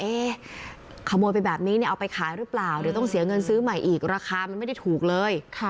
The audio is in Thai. ขโมยไปแบบนี้เนี่ยเอาไปขายหรือเปล่าเดี๋ยวต้องเสียเงินซื้อใหม่อีกราคามันไม่ได้ถูกเลย